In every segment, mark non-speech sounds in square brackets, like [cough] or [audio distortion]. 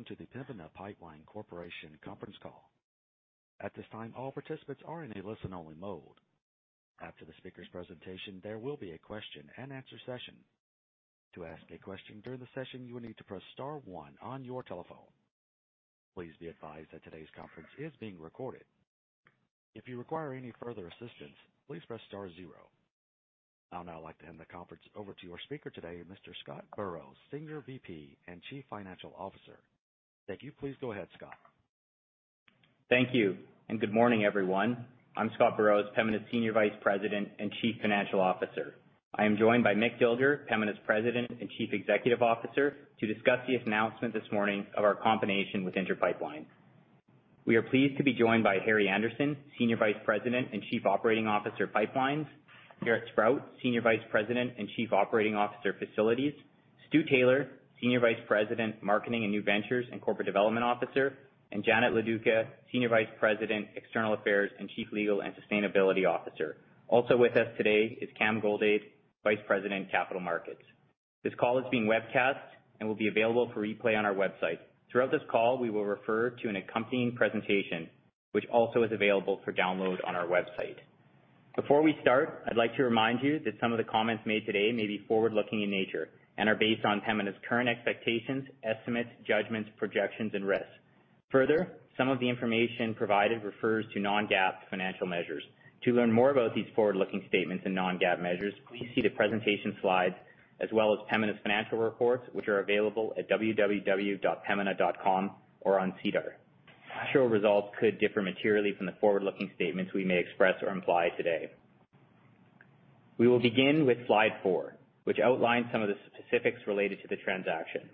Welcome to the Pembina Pipeline Corporation conference call. At this time, all participants are in a listen-only mode. After the speaker's presentation, there will be a question-and-answer session. To ask a question during the session, you will need to press star one on your telephone. Please be advised that today's conference is being recorded. If you require any further assistance, please press star zero. I would now like to hand the conference over to your speaker today, Mr. Scott Burrows, Senior VP and Chief Financial Officer. Thank you. Please go ahead, Scott. Thank you, and good morning, everyone. I'm Scott Burrows, Pembina's Senior Vice President and Chief Financial Officer. I am joined by Mick Dilger, Pembina's President and Chief Executive Officer, to discuss the announcement this morning of our combination with Inter Pipeline. We are pleased to be joined by Harry Andersen, Senior Vice President and Chief Operating Officer, Pipelines, Jaret Sprott, Senior Vice President and Chief Operating Officer, Facilities, Stuart Taylor, Senior Vice President, Marketing and New Ventures and Corporate Development Officer, and Janet Loduca, Senior Vice President, External Affairs and Chief Legal and Sustainability Officer. Also with us today is Cameron Goldade, Vice President, Capital Markets. This call is being webcast and will be available for replay on our website. Throughout this call, we will refer to an accompanying presentation, which also is available for download on our website. Before we start, I'd like to remind you that some of the comments made today may be forward-looking in nature and are based on Pembina's current expectations, estimates, judgments, projections, and risks. Further, some of the information provided refers to non-GAAP financial measures. To learn more about these forward-looking statements and non-GAAP measures, please see the presentation slides as well as Pembina's financial reports, which are available at www.pembina.com or on SEDAR. Actual results could differ materially from the forward-looking statements we may express or imply today. We will begin with slide four, which outlines some of the specifics related to the transaction.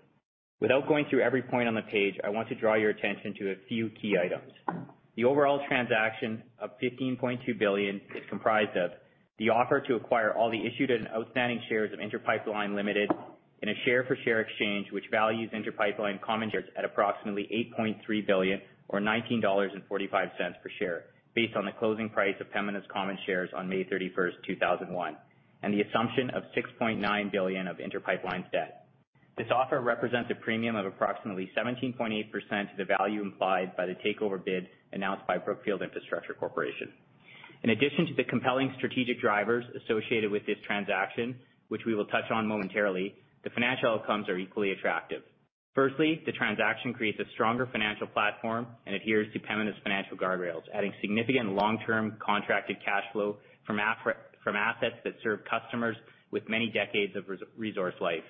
Without going through every point on the page, I want to draw your attention to a few key items. The overall transaction of 15.2 billion is comprised of the offer to acquire all the issued and outstanding shares of Inter Pipeline Ltd. in a share-for-share exchange which values Inter Pipeline common shares at approximately 8.3 billion or 19.45 dollars per share based on the closing price of Pembina's common shares on May 31st, 2001, and the assumption of 6.9 billion of Inter Pipeline's debt. This offer represents a premium of approximately 17.8% to the value implied by the takeover bid announced by Brookfield Infrastructure Corporation. In addition to the compelling strategic drivers associated with this transaction, which we will touch on momentarily, the financial outcomes are equally attractive. Firstly, the transaction creates a stronger financial platform and adheres to Pembina's financial guardrails, adding significant long-term contracted cash flow from assets that serve customers with many decades of resource life.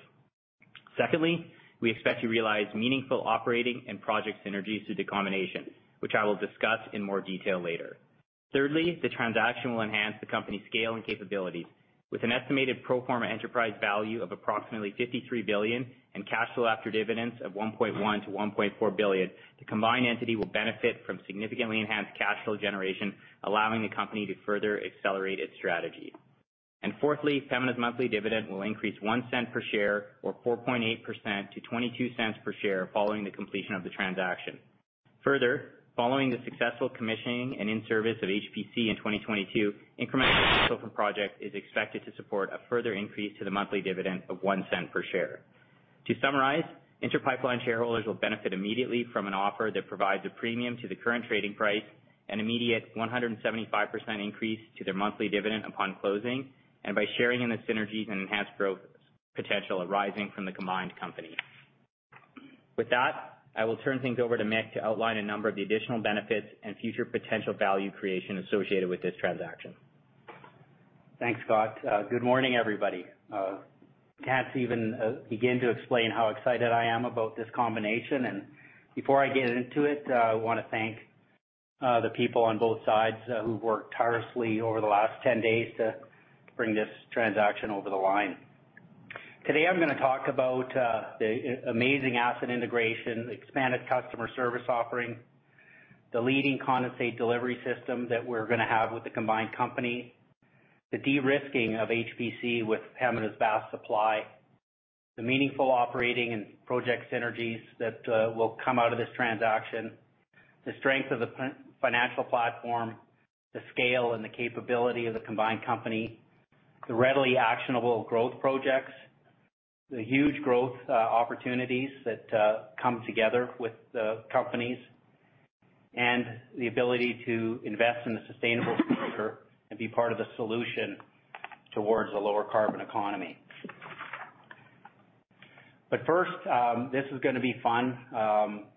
Secondly, we expect to realize meaningful operating and project synergies through the combination, which I will discuss in more detail later. Thirdly, the transaction will enhance the company's scale and capability. With an estimated pro forma enterprise value of approximately 53 billion and cash flow after dividends of 1.1 billion-1.4 billion, the combined entity will benefit from significantly enhanced cash flow generation, allowing the company to further accelerate its strategy. Fourthly, Pembina's monthly dividend will increase 0.01 per share or 4.8% to 0.22 per share following the completion of the transaction. Following the successful commissioning and in-service of HPC in 2022, incremental cash flow per project is expected to support a further increase to the monthly dividend of 0.01 per share. To summarize, Inter Pipeline shareholders will benefit immediately from an offer that provides a premium to the current trading price, an immediate 175% increase to their monthly dividend upon closing, and by sharing in the synergies and enhanced growth potential arising from the combined company. With that, I will turn things over to Mick to outline a number of the additional benefits and future potential value creation associated with this transaction. Thanks, Scott. Good morning, everybody. Can't even begin to explain how excited I am about this combination. Before I get into it, I want to thank the people on both sides who've worked tirelessly over the last 10 days to bring this transaction over the line. Today, I'm going to talk about the amazing asset integration, expanded customer service offering, the leading condensate delivery system that we're going to have with the combined company, the de-risking of HPC with Pembina's NGL, the meaningful operating and project synergies that will come out of this transaction, the strength of the financial platform, the scale and the capability of the combined company, the readily actionable growth projects, the huge growth opportunities that come together with the companies, and the ability to invest in a sustainable future and be part of the solution towards a lower carbon economy. First, this is going to be fun.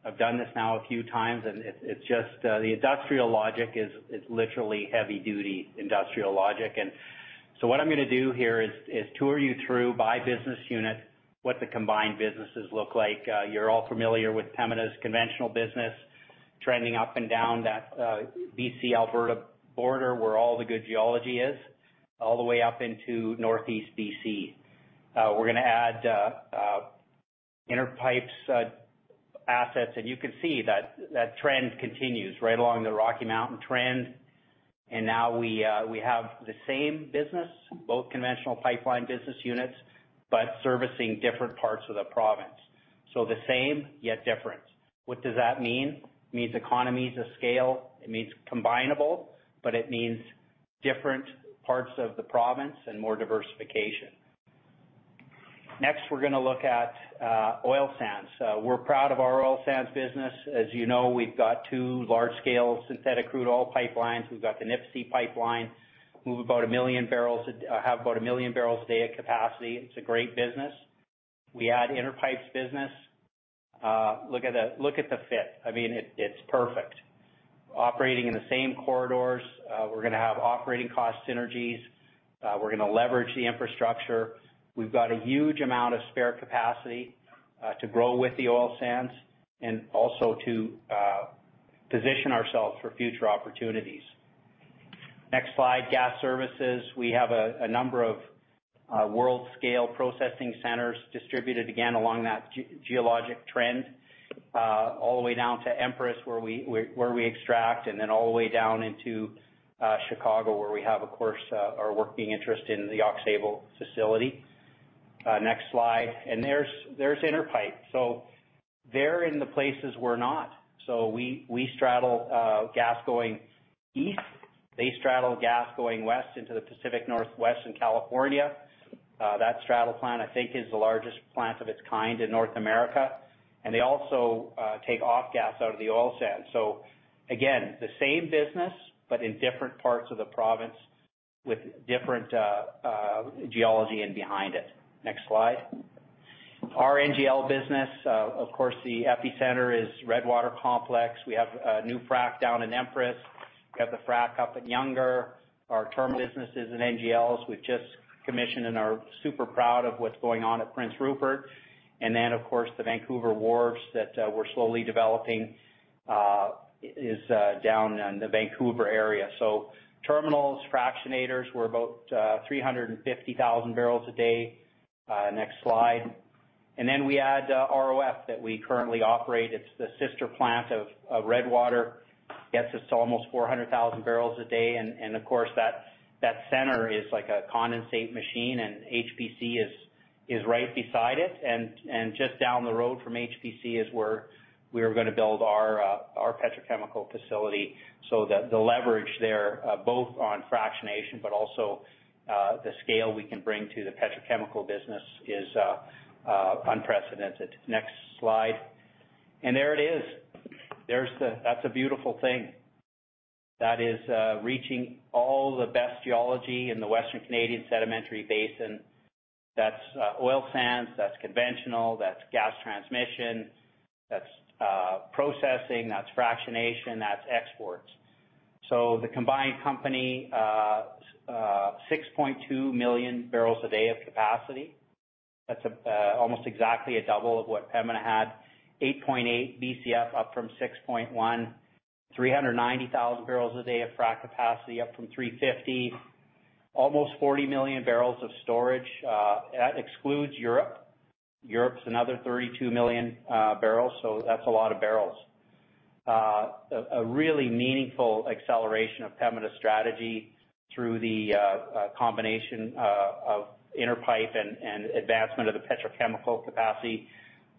I've done this now a few times, and it's just the industrial logic is literally heavy-duty industrial logic. What I'm going to do here is tour you through by business unit what the combined businesses look like. You're all familiar with Pembina's conventional business trending up and down that BC-Alberta border where all the good geology is, all the way up into Northeast BC. We're going to add Inter Pipe's assets, and you can see that that trend continues right along the Rocky Mountain trend. Now we have the same business, both conventional pipeline business units, but servicing different parts of the province. The same, yet different. What does that mean? It means economies of scale. It means combinable, but it means different parts of the province and more diversification. Next, we're going to look at oil sands. We're proud of our oil sands business. As you know, we've got two large-scale synthetic crude oil pipelines. We've got the Nipisi pipeline. We have about a million barrels a day of capacity. It's a great business. We add Inter Pipeline's business. Look at the fit. It's perfect. Operating in the same corridors. We're going to have operating cost synergies. We're going to leverage the infrastructure. We've got a huge amount of spare capacity to grow with the oil sands and also to position ourselves for future opportunities. Next slide, gas services. We have a number of world-scale processing centers distributed again along that geologic trend, all the way down to Empress, where we extract, and then all the way down into Chicago, where we have, of course, our working interest in the Aux Sable facility. Next slide. There's Inter Pipeline. They're in the places we're not. We straddle gas going east. They straddle gas going west into the Pacific Northwest and California. That straddle plant, I think, is the largest plant of its kind in North America, and they also take off gas out of the oil sands. Again, the same business, but in different parts of the province with different geology behind it. Next slide. Our NGL business, of course, the epicenter is Redwater Complex. We have a new frack down in Empress. We've got the frack up at Younger. Our terminal businesses and NGLs we've just commissioned and are super proud of what's going on at Prince Rupert. Of course, the Vancouver Wharves that we're slowly developing is down in the Vancouver area. Terminals, fractionators, we're about 350,000 barrels a day. Next slide. We add ROF that we currently operate. It's the sister plant of Redwater. Gets as almost 400,000 barrels a day and of course, that center is like a condensate machine, and HPC is right beside it. Just down the road from HPC is where we're going to build our petrochemical facility. The leverage there, both on fractionation, but also the scale we can bring to the petrochemical business is unprecedented. Next slide. There it is. That is a beautiful thing. That is reaching all the best geology in the Western Canadian Sedimentary Basin. That's oil sands, that's conventional, that's gas transmission, that's processing, that's fractionation, that's exports. The combined company, 6.2 million barrels a day of capacity. That's almost exactly a double of what Pembina had. 8.8 BCF up from 6.1 BCF. 390,000 barrels a day of frack capacity up from 350. Almost 40 million barrels of storage. That excludes Europe. Europe's another 32 million barrels, that's a lot of barrels. A really meaningful acceleration of Pembina strategy through the combination of Inter Pipeline and advancement of the petrochemical capacity.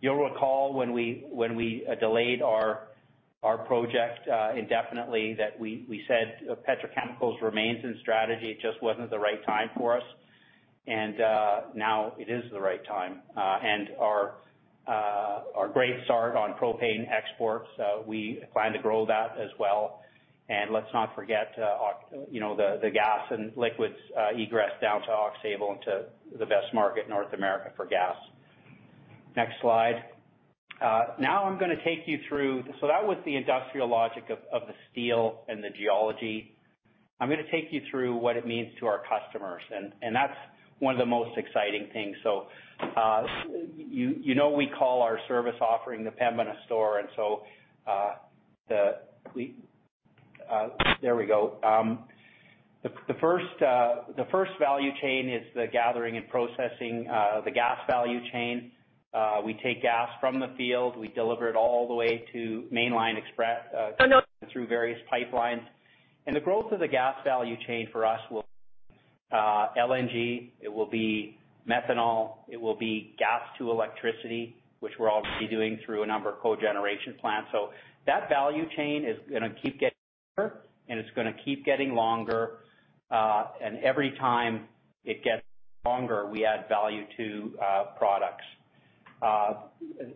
You'll recall when we delayed our project indefinitely that we said petrochemicals remains in strategy. It just wasn't the right time for us. Now it is the right time. Our great start on propane exports, we plan to grow that as well. Let's not forget the gas and liquids egress down to Aux Sable into the best market in North America for gas. Next slide. That was the industrial logic of the steel and the geology. I'm going to take you through what it means to our customers, and that's one of the most exciting things. You know we call our service offering the Pembina Store. There we go. The first value chain is the gathering and processing, the gas value chain. We take gas from the field. We deliver it all the way to Mainline Express through various pipelines. The growth of the gas value chain for us will be LNG, it will be methanol, it will be gas to electricity, which we're obviously doing through a number of cogeneration plants. That value chain is going to keep getting bigger, and it's going to keep getting longer. Every time it gets longer, we add value to products.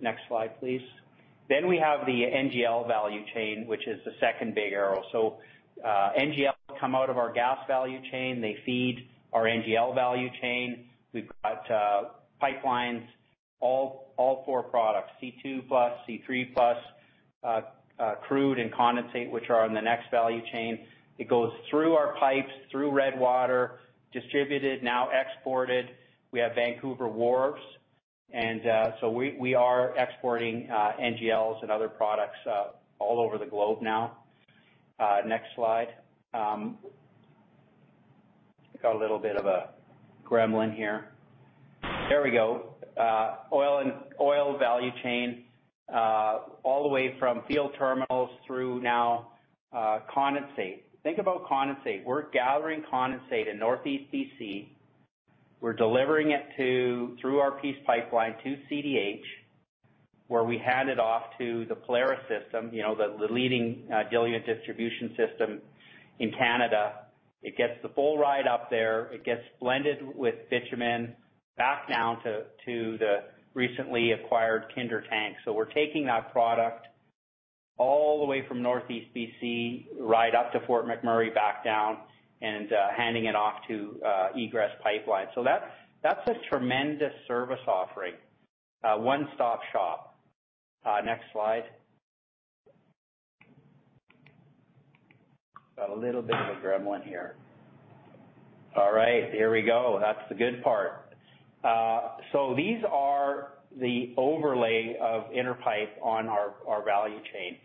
Next slide, please. We have the NGL value chain, which is the second big arrow. NGLs come out of our gas value chain. They feed our NGL value chain. We've got pipelines, all four products, C2+, C3+, crude and condensate, which are on the next value chain. It goes through our pipes, through Redwater, distributed, now exported. We have Vancouver Wharves, we are exporting NGLs and other products all over the globe now. Next slide. Got a little bit of a gremlin here. There we go. Oil value chain, all the way from field terminals through now condensate. Think about condensate. We're gathering condensate in Northeast BC. We're delivering it through our Peace Pipeline to CDH. Where we hand it off to the Polaris system, the leading diluent distribution system in Canada. It gets the full ride up there. It gets blended with bitumen back down to the recently acquired Kinder tanks. We're taking that product all the way from Northeast BC, right up to Fort McMurray, back down and handing it off to egress pipeline. That's a tremendous service offering. A one-stop shop. Next slide. Got a little bit of a gremlin here. All right, here we go. That's the good part. These are the overlay of Inter Pipeline on our value chain.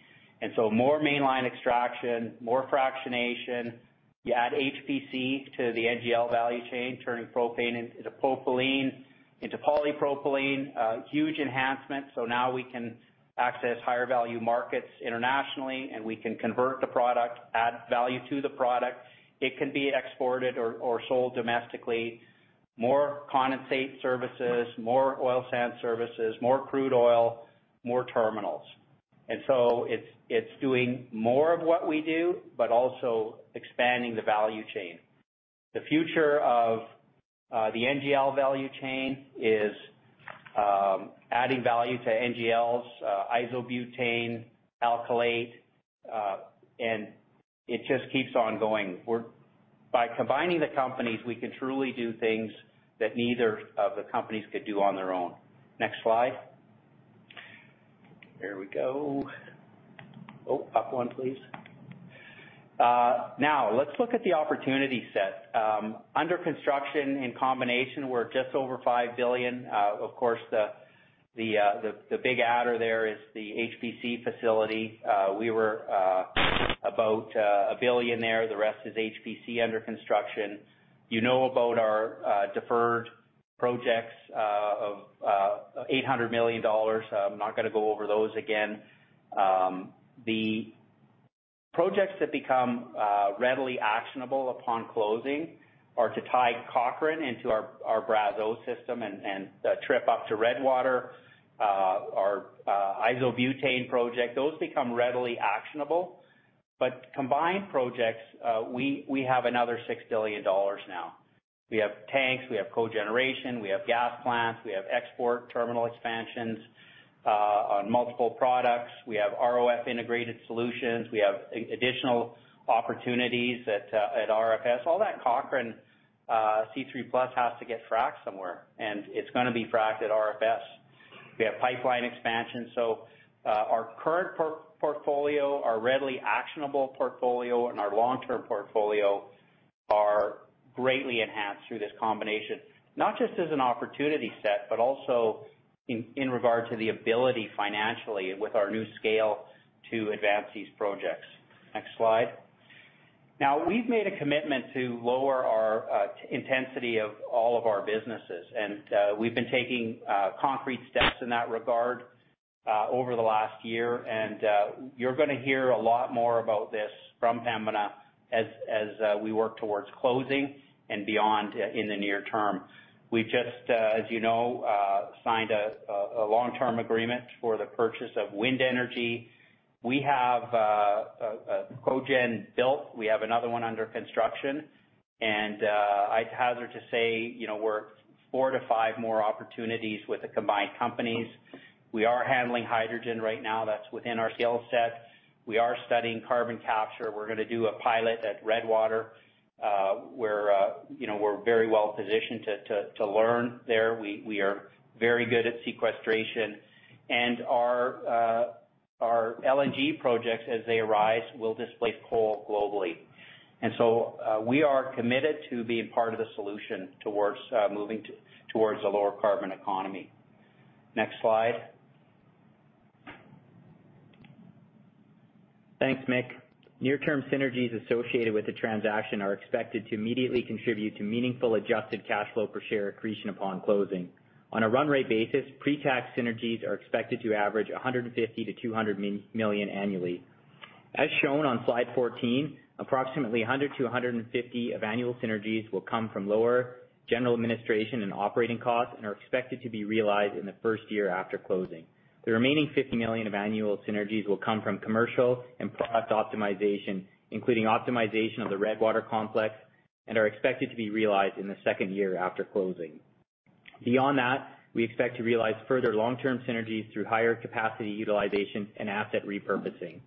More mainline extraction, more fractionation. You add HPC to the NGL value chain, turning propane into propylene, into polypropylene. Huge enhancement. Now we can access higher value markets internationally, and we can convert the product, add value to the product. It can be exported or sold domestically. More condensate services, more oil sand services, more crude oil, more terminals. It's doing more of what we do, but also expanding the value chain. The future of the NGL value chain is adding value to NGLs isobutane alkylate, and it just keeps on going. By combining the companies, we can truly do things that neither of the companies could do on their own. Next slide. There we go. Oh, up one, please. Now, let's look at the opportunity set. Under construction in combination, we're just over 5 billion. Of course, the big adder there is the HPC facility. We were about 1 billion there. The rest is HPC under construction. You know about our deferred projects of 800 million dollars. I'm not going to go over those again. The projects that become readily actionable upon closing are to tie Cochrane into our Brazeau system and the trip up to Redwater, our isobutane project. Those become readily actionable. Combined projects, we have another 6 billion dollars now. We have tanks, we have cogeneration, we have gas plants, we have export terminal expansions on multiple products. We have ROF integrated solutions. We have additional opportunities at RFS. All that Cochrane C3+ has to get fracked somewhere, and it's going to be fracked at RFS. We have pipeline expansion. Our current portfolio, our readily actionable portfolio, and our long-term portfolio are greatly enhanced through this combination, not just as an opportunity set, but also in regard to the ability financially with our new scale to advance these projects. Next slide. We've made a commitment to lower our intensity of all of our businesses, and we've been taking concrete steps in that regard over the last year. You're going to hear a lot more about this from Pembina as we work towards closing and beyond in the near term. We just, as you know, signed a long-term agreement for the purchase of wind energy. We have a cogen built. We have another one under construction, and I'd hazard to say, we're four to five more opportunities with the combined companies. We are handling hydrogen right now. That's within our skill set. We are studying carbon capture. We're going to do a pilot at Redwater, where we're very well-positioned to learn there. We are very good at sequestration, and our LNG projects, as they arise, will displace coal globally. We are committed to being part of the solution towards moving towards a lower carbon economy. Next slide. Thanks, Mick. Near-term synergies associated with the transaction are expected to immediately contribute to meaningful adjusted cash flow per share accretion upon closing. On a run rate basis, pre-tax synergies are expected to average 150 million-200 million annually. As shown on slide 14, approximately 100 million-150 million of annual synergies will come from lower general administration and operating costs and are expected to be realized in the first year after closing. The remaining 50 million of annual synergies will come from commercial and product optimization, including optimization of the Redwater complex and are expected to be realized in the second year after closing. Beyond that, we expect to realize further long-term synergies through higher capacity utilization and asset repurposing.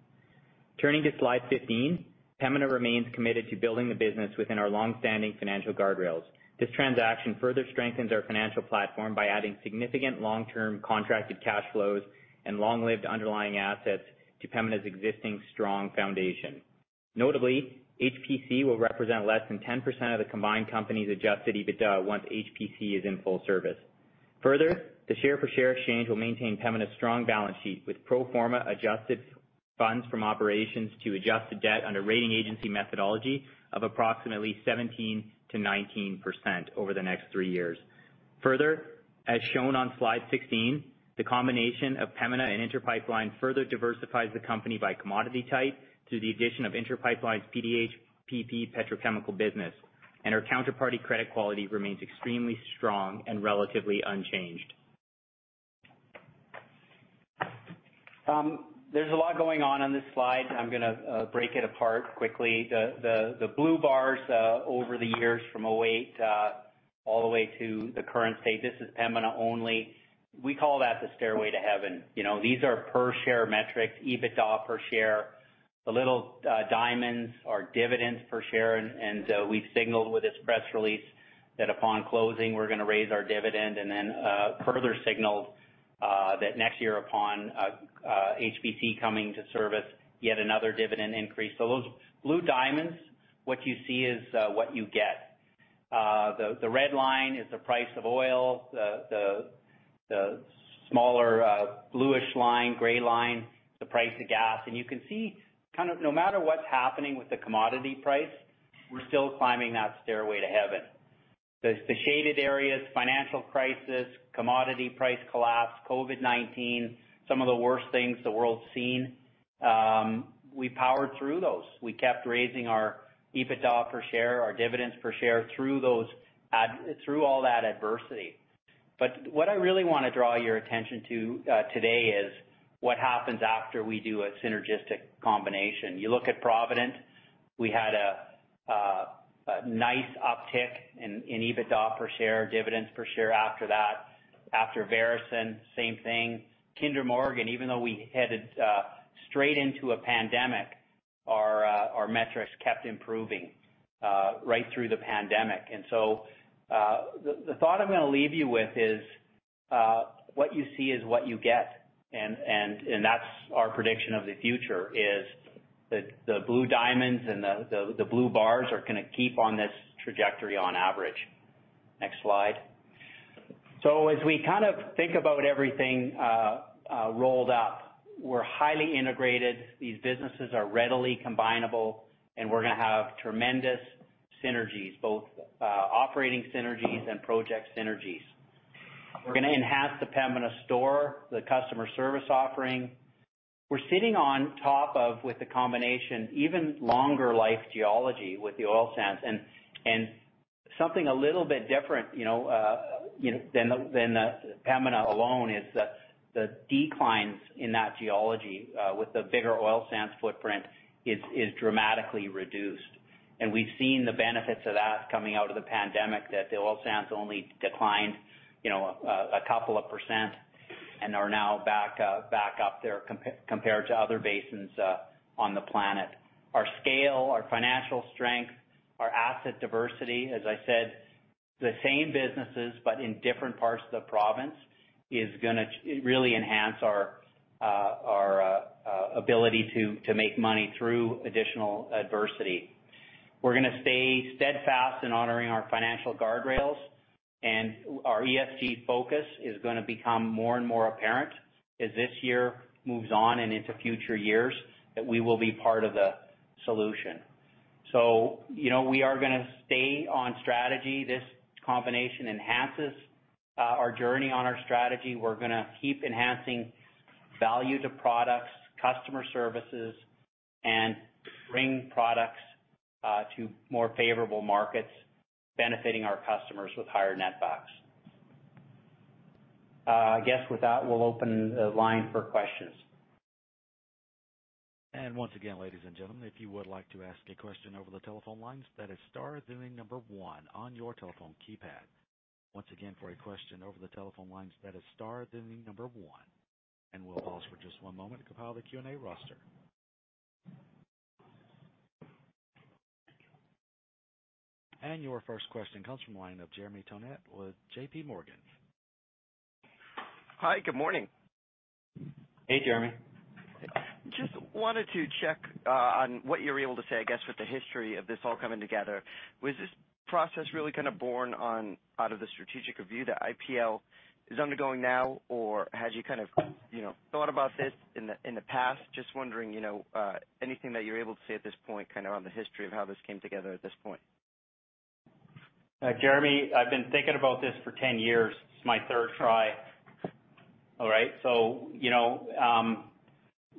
Turning to slide 15, Pembina remains committed to building the business within our longstanding financial guardrails. This transaction further strengthens our financial platform by adding significant long-term contracted cash flows and long-lived underlying assets to Pembina's existing strong foundation. Notably, HPC will represent less than 10% of the combined company's adjusted EBITDA once HPC is in full service. The share-for-share exchange will maintain Pembina's strong balance sheet with pro forma adjusted funds from operations to adjusted debt under rating agency methodology of approximately 17%-19% over the next three years. As shown on slide 16, the combination of Pembina and Inter Pipeline further diversifies the company by commodity type through the addition of Inter Pipeline's PDH PP petrochemical business. Our counterparty credit quality remains extremely strong and relatively unchanged. There's a lot going on this slide, and I'm going to break it apart quickly. The blue bars over the years from 2008 all the way to the current state, this is Pembina only. We call that the stairway to heaven. These are per-share metrics, EBITDA per share. The little diamonds are dividends per share. We signaled with this press release that upon closing, we're going to raise our dividend and then further signaled that next year upon HPC coming to service, yet another dividend increase. Those blue diamonds, what you see is what you get. The red line is the price of oil, the smaller bluish line, gray line, the price of gas. You can see no matter what's happening with the commodity price, we're still climbing that stairway to heaven. The shaded areas, financial crisis, commodity price collapse, COVID-19, some of the worst things the world's seen, we powered through those. We kept raising our EBITDA per share, our dividends per share through all that adversity. What I really want to draw your attention to today is what happens after we do a synergistic combination. You look at Provident, we had a nice uptick in EBITDA per share, dividends per share after that. After Veresen, same thing. Kinder Morgan, even though we headed straight into a pandemic, our metrics kept improving right through the pandemic. The thought I'm going to leave you with is, what you see is what you get, and that's our prediction of the future is the blue diamonds and the blue bars are going to keep on this trajectory on average. Next slide. As we think about everything rolled up, we're highly integrated. These businesses are readily combinable, and we're going to have tremendous synergies, both operating synergies and project synergies. We're going to enhance the Pembina Store, the customer service offering. We're sitting on top of, with the combination, even longer life geology with the oil sands. Something a little bit different than Pembina alone is the declines in that geology with the bigger oil sands footprint is dramatically reduced. We've seen the benefits of that coming out of the pandemic, that the oil sands only declined a couple of % and are now back up there compared to other basins on the planet. Our scale, our financial strength, our asset diversity, as I said, the same businesses but in different parts of the province is going to really enhance our ability to make money through additional adversity. We're going to stay steadfast in honoring our financial guardrails, and our ESG focus is going to become more and more apparent as this year moves on and into future years that we will be part of the solution. We are going to stay on strategy. This combination enhances our journey on our strategy. We're going to keep enhancing value to products, customer services, and bring products to more favorable markets, benefiting our customers with higher netbacks. I guess with that, we'll open the line for questions. Once again, ladies and gentlemen, if you would like to ask a question over the telephone lines, that is star, then the number one on your telephone keypad. Once again, for a question over the telephone lines, that is star, then the number one. We'll pause for just one moment to compile the Q&A roster. Your first question comes from the line of Jeremy Tonet with JPMorgan. Hi, good morning. Hey, Jeremy. Just wanted to check on what you're able to say, I guess, with the history of this all coming together. Was this process really kind of born out of the strategic review that IPL is undergoing now, or had you thought about this in the past? Just wondering, anything that you're able to say at this point on the history of how this came together at this point? Jeremy, I've been thinking about this for 10 years. This is my third try. All right?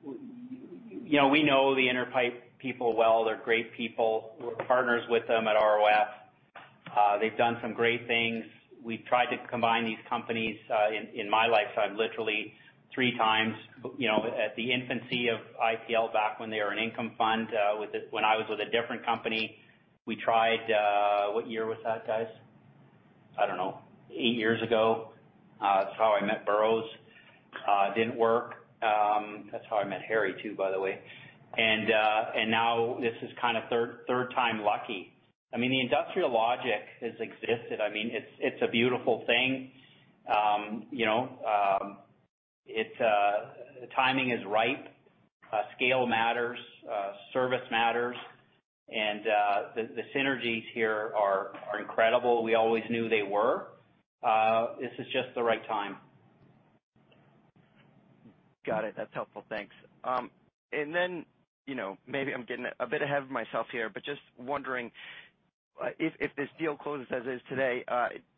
We know the Inter Pipeline people well. They're great people. We're partners with them at ROF. They've done some great things. We've tried to combine these companies, in my lifetime, literally three times. At the infancy of IPL, back when they were an income fund, when I was with a different company. What year was that, guys? I don't know. Eight years ago? That's how I met Scott Burrows. Didn't work. That's how I met Harry too, by the way. Now, this is third time lucky. I mean, the industrial logic has existed. It's a beautiful thing. The timing is ripe. Scale matters. Service matters. The synergies here are incredible. We always knew they were. This is just the right time. Got it. That's helpful. Thanks. Maybe I'm getting a bit ahead of myself here, but just wondering if this deal closes as is today,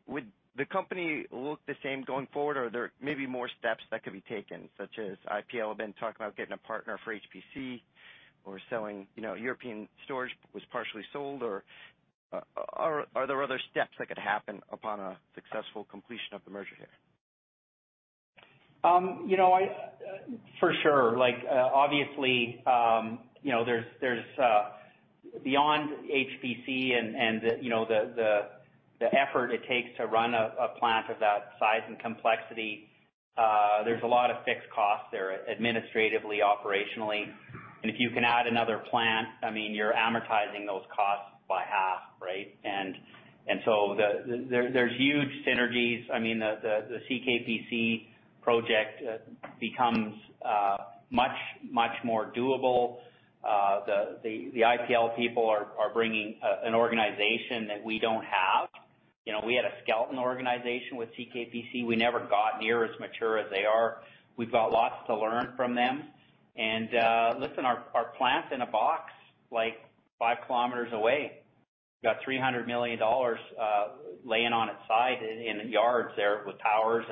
would the company look the same going forward, or are there maybe more steps that could be taken, such as IPL then talking about getting a partner for HPC or selling European storage was partially sold, or are there other steps that could happen upon a successful completion of the merger here? For sure. Obviously, beyond HPC and the effort it takes to run a plant of that size and complexity, there's a lot of fixed costs there, administratively, operationally. If you can add another plant, you're amortizing those costs by half, right? There are huge synergies. The CKPC project becomes much more doable. The IPL people are bringing an organization that we don't have. We had a skeleton organization with CKPC. We never got near as mature as they are. We've got lots to learn from them. Listen, our plant's in a box five kilometers away. We've got 300 million dollars laying on its side in yards there with towers.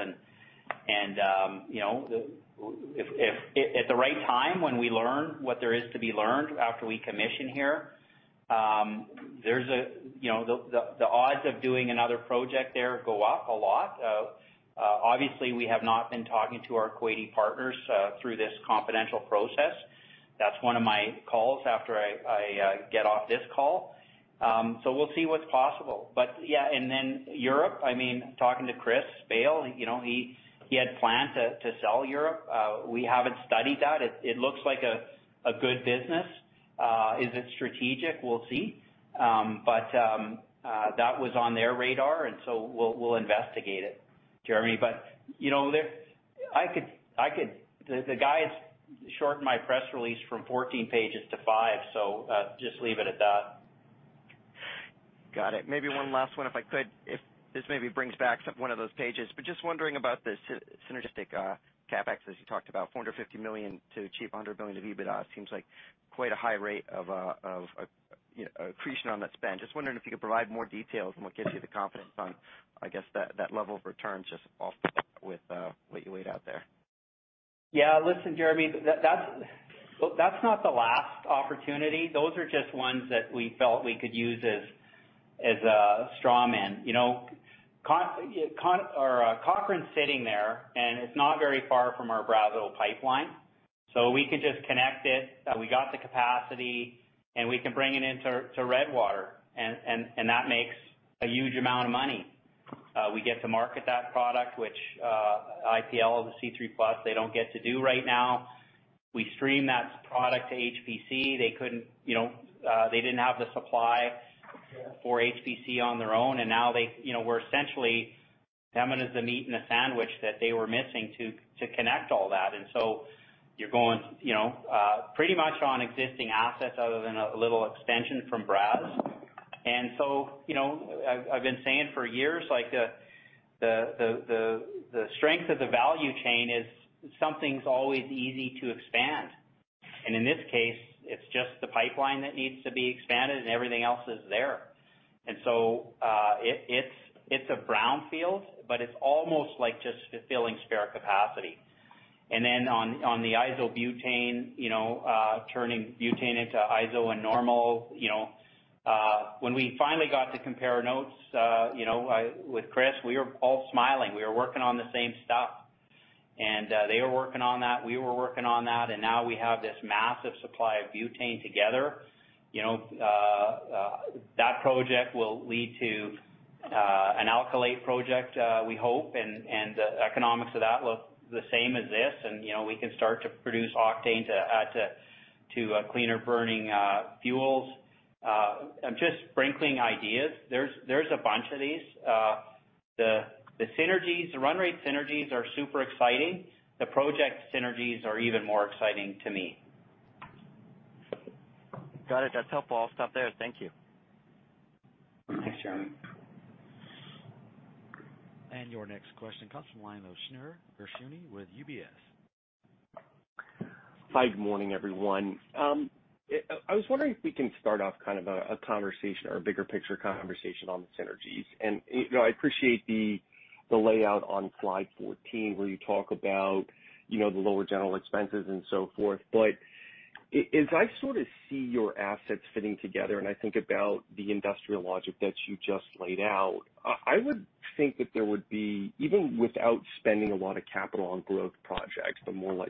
At the right time, when we learn what there is to be learned after we commission here, the odds of doing another project there go up a lot. Obviously, we have not been talking to our Kuwaiti partners through this confidential process. That's one of my calls after I get off this call. We'll see what's possible. Yeah. Then Europe, talking to Christian Bayle, he had plans to sell Europe. We haven't studied that. It looks like a good business. Is it strategic? We'll see. That was on their radar, and so we'll investigate it, Jeremy. The guys shortened my press release from 14 pages to five, so just leave it at that. Got it. Maybe one last one, if I could. This maybe brings back up one of those pages. Just wondering about the synergistic CapEx that you talked about, 450 million to achieve 100 million of EBITDA. It seems like quite a high rate of accretion on that spend. Just wondering if you could provide more details and what gives you the confidence on, I guess, that level of return just off the top with what you laid out there. Yeah. Listen, Jeremy, that's not the last opportunity. Those are just ones that we felt we could use as a straw man. Cochrane's sitting there. It's not very far from our Brazeau Pipeline. We could just connect it, and we got the capacity, and we can bring it into Redwater, and that makes a huge amount of money. We get to market that product, which IPL with the C3+, they don't get to do right now. We stream that product to HPC. They didn't have the supply for HPC on their own. Now we're essentially them and the meat in the sandwich that they were missing to connect all that. You're going pretty much on existing assets other than a little extension from Brazeau. I've been saying for years, the strength of the value chain is something's always easy to expand. In this case, it's just the pipeline that needs to be expanded, and everything else is there. So it's a brownfield, but it's almost like just filling spare capacity. Then on the isobutane, turning butane into iso and normal. When we finally got to compare notes with Chris, we were all smiling. We were working on the same stuff, and they were working on that, we were working on that, and now we have this massive supply of butane together. That project will lead to an alkylate project, we hope, and the economics of that look the same as this. We can start to produce octane to add to cleaner burning fuels. I'm just sprinkling ideas. There's a bunch of these. The synergies, the run rate synergies are super exciting. The project synergies are even more exciting to me. Got it. That's helpful. I'll stop there. Thank you. Thanks, Jeremy. Your next question comes from Shneur Gershuni with UBS. Hi, good morning, everyone. I was wondering if we can start off a conversation or a bigger picture conversation on the synergies. I appreciate the layout on slide 14 where you talk about the lower general expenses and so forth. As I see your assets fitting together, and I think about the industrial logic that you just laid out, I would think that there would be, even without spending a lot of capital on growth projects, the more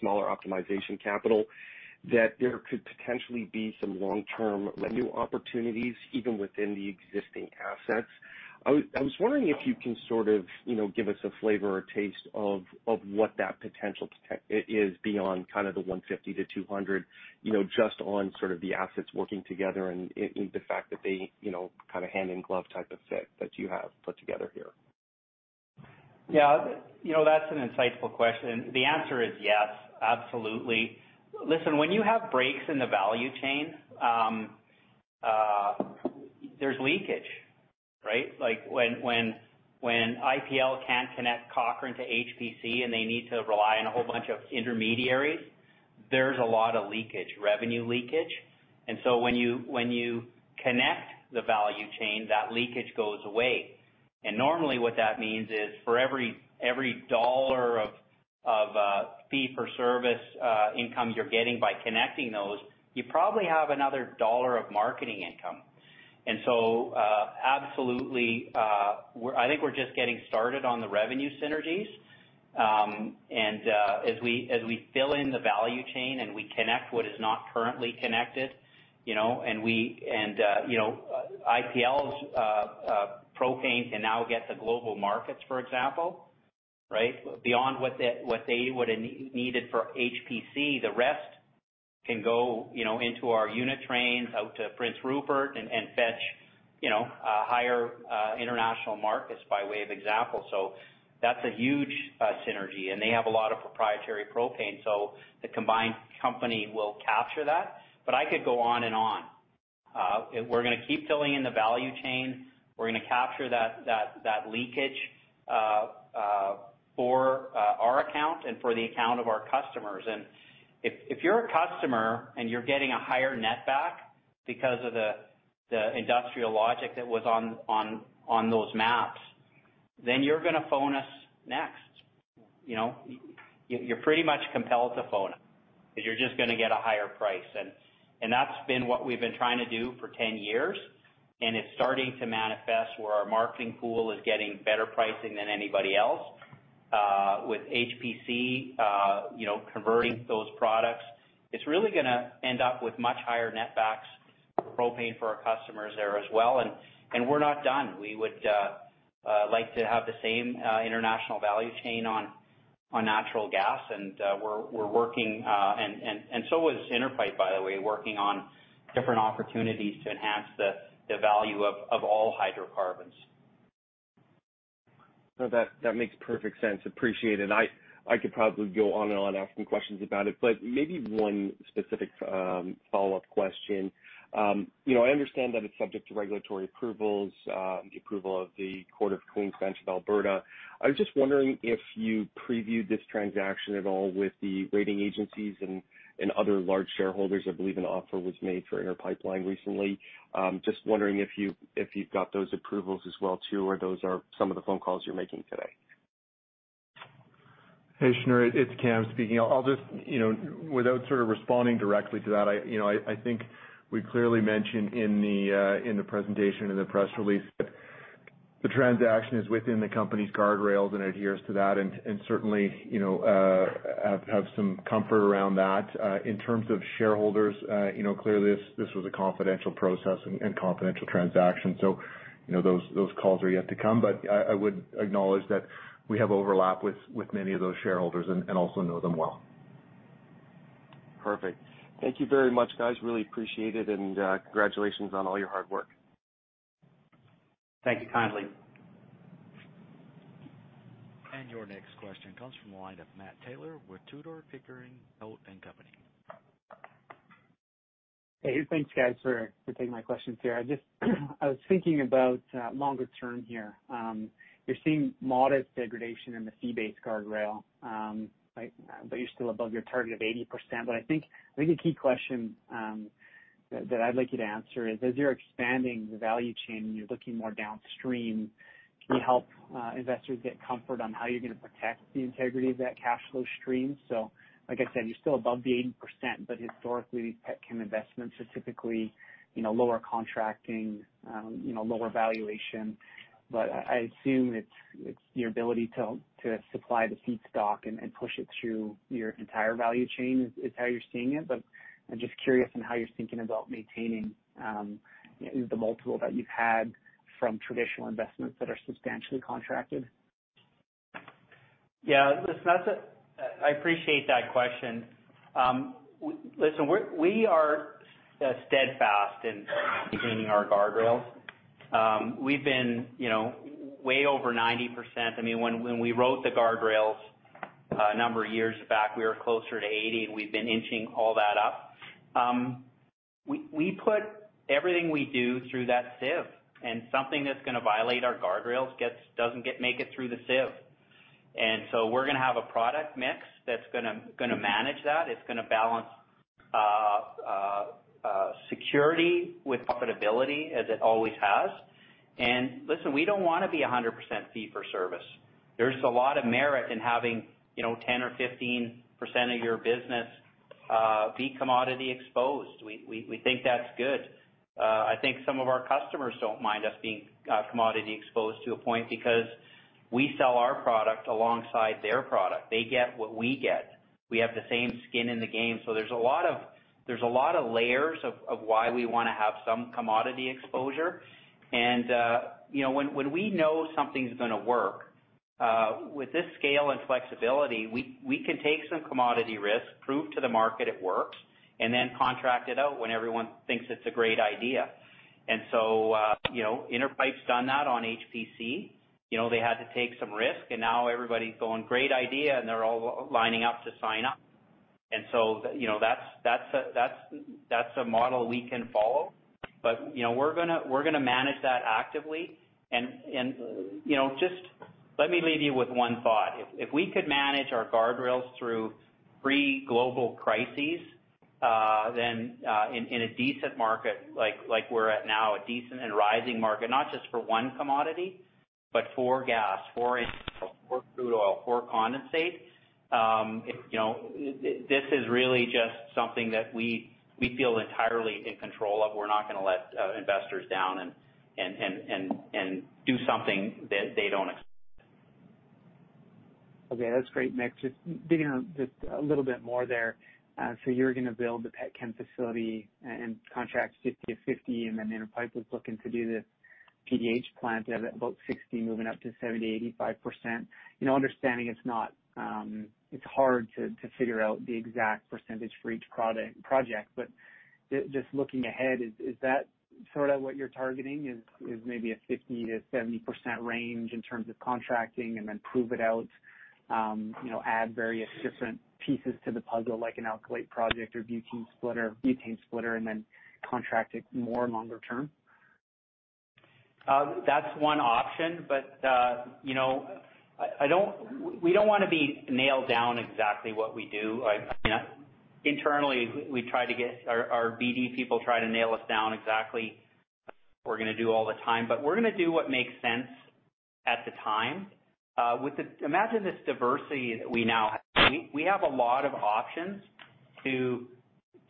smaller optimization capital, that there could potentially be some long-term new opportunities even within the existing assets. I was wondering if you can give us a flavor or taste of what that potential is beyond the 150 million-200 million, just on the assets working together and the fact that they hand-in-glove type effect that you have put together here. Yeah. That's an insightful question. The answer is yes, absolutely. Listen, when you have breaks in the value chain, there's leakage, right? When IPL can't connect Cochrane to HPC and they need to rely on a whole bunch of intermediaries, there's a lot of leakage, revenue leakage. When you connect the value chain, that leakage goes away. Normally what that means is for every dollar of a fee-for-service income you're getting by connecting those, you probably have another dollar of marketing income. Absolutely, I think we're just getting started on the revenue synergies. As we fill in the value chain and we connect what is not currently connected, and IPL's propane can now get to global markets, for example, right? Beyond what they would've needed for HPC, the rest can go into our unit trains out to Prince Rupert and fetch higher international markets by way of example. That's a huge synergy. They have a lot of proprietary propane, the combined company will capture that. I could go on and on. We're going to keep filling in the value chain. We're going to capture that leakage for our account and for the account of our customers. If you're a customer and you're getting a higher net back because of the industrial logic that was on those maps, you're going to phone us next. You're pretty much compelled to phone us because you're just going to get a higher price. That's been what we've been trying to do for 10 years, and it's starting to manifest where our marketing pool is getting better pricing than anybody else. With HPC, converting those products, it's really going to end up with much higher net backs of propane for our customers there as well. We're not done. We would like to have the same international value chain on natural gas. We're working, and so is Inter Pipe, by the way, working on different opportunities to enhance the value of all hydrocarbons. No, that makes perfect sense. Appreciate it. I could probably go on and on asking questions about it, but maybe one specific follow-up question. I understand that it's subject to regulatory approvals, the approval of the Court of King's Bench of Alberta. I was just wondering if you previewed this transaction at all with the rating agencies and other large shareholders. I believe an offer was made for Inter Pipeline recently. Just wondering if you've got those approvals as well too, or those are some of the phone calls you're making today. Hey, Shneur, it's Cam speaking. Without sort of responding directly to that, I think we clearly mentioned in the presentation, in the press release, that the transaction is within the company's guardrails and adheres to that and certainly have some comfort around that. In terms of shareholders, clearly, this was a confidential process and confidential transaction, so those calls are yet to come. I would acknowledge that we have overlap with many of those shareholders and also know them well. Perfect. Thank you very much, guys. Really appreciate it, and congratulations on all your hard work. Thank you. Kindly. Your next question comes from the line of Matt Taylor with Tudor, Pickering, Holt & Co. Hey, thanks, guys, for taking my questions here. I was thinking about longer term here. You're seeing modest degradation in the fee-based guardrail, but you're still above your target of 80%. I think a key question that I'd like you to answer is, as you're expanding the value chain and you're looking more downstream, can you help investors get comfort on how you're going to protect the integrity of that cash flow stream? Like I said, you're still above the 80%, but historically, that kind of investment specifically, lower contracting, lower valuation. I assume it's your ability to supply the feedstock and push it through your entire value chain is how you're seeing it. I'm just curious on how you're thinking about maintaining the multiple that you've had from traditional investments that are substantially contracted. Yeah. Listen, I appreciate that question. Listen, we are steadfast in maintaining our guardrails. We've been way over 90%. When we wrote the guardrails a number of years back, we were closer to 80%, and we've been inching all that up. We put everything we do through that sieve, and something that's going to violate our guardrails doesn't make it through the sieve. We're going to have a product mix that's going to manage that. It's going to balance security with profitability as it always has. Listen, we don't want to be 100% fee for service. There's a lot of merit in having 10% or 15% of your business be commodity exposed. We think that's good. I think some of our customers don't mind us being commodity exposed to a point because we sell our product alongside their product. They get what we get. We have the same skin in the game. There's a lot of layers of why we want to have some commodity exposure. When we know something's going to work, with this scale and flexibility, we can take some commodity risk, prove to the market it works, and then contract it out when everyone thinks it's a great idea. Inter Pipeline's done that on HPC. They had to take some risk, and now everybody's going, "Great idea," and they're all lining up to sign up. That's a model we can follow. We're going to manage that actively. Just let me leave you with one thought. If we could manage our guardrails through three global crises. In a decent market like we're at now, a decent and rising market, not just for one commodity, but for gas, for crude oil, for condensate. This is really just something that we feel entirely in control of. We're not going to let investors down and do something that they don't expect. Okay. That's great, Mick. Just digging a little bit more there. You're going to build the petchem facility and contract 50/50, and then Inter Pipe is looking to do the PDH plant at about 60%, moving up to 70%, 85%. Understanding it's hard to figure out the exact percentage for each project, but just looking ahead, is that sort of what you're targeting is maybe a 60%-70% range in terms of contracting and then prove it out, add various different pieces to the puzzle like an alkylate project or butane splitter, and then contract it more longer term? That's one option. We don't want to be nailed down exactly what we do. Internally, our BD people try to nail us down exactly what we're going to do all the time, but we're going to do what makes sense at the time. After this diversity that we now have, we have a lot of options to